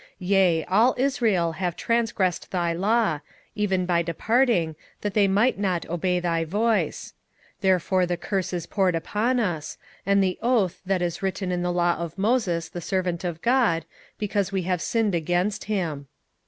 27:009:011 Yea, all Israel have transgressed thy law, even by departing, that they might not obey thy voice; therefore the curse is poured upon us, and the oath that is written in the law of Moses the servant of God, because we have sinned against him.